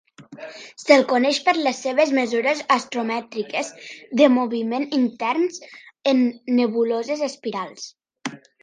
Se'l coneix per les seves mesures astromètriques de moviments interns en nebuloses espirals.